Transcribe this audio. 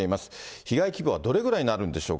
被害規模はどれぐらいになるんでしょうか。